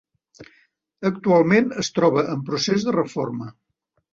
Actualment es troba en procés de reforma.